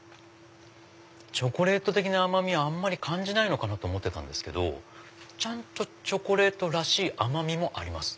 チョコレート的な甘味は感じないのかなと思ってたけどチョコレートらしい甘味もあります。